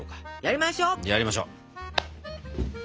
やりましょう！